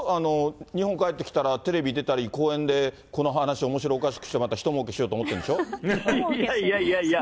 日本帰ってきたらテレビ出たり、講演でこの話をおもしろおかしくしてまた一もうけしようと思っていやいやいや。